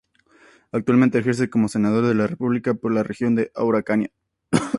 Actualmente ejerce como senador de la República por la Región de la Araucanía.